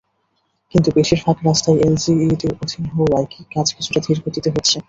কিন্তু বেশির ভাগ রাস্তাই এলজিইডির অধীন হওয়ায় কাজ কিছুটা ধীর গতিতে হচ্ছে।